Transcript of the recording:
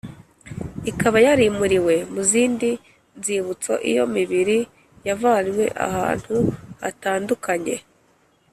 ikaba yarimuriwe mu zindi nzibutso Iyo mibiri yavanywe ahantu hatandukanye